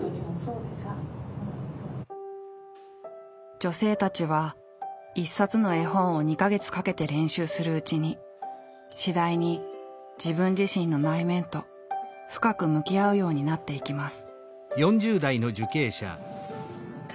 女性たちは一冊の絵本を２か月かけて練習するうちに次第に自分自身の内面と深く向き合うようになっていきます。